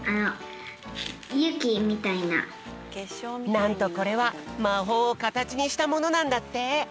なんとこれはまほうをかたちにしたものなんだって！